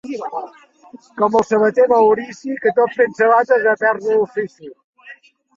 Com el sabater Maurici, que tot fent sabates va perdre l'ofici.